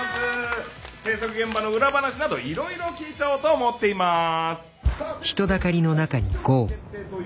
制作現場の裏話などいろいろ聞いちゃおうと思っています。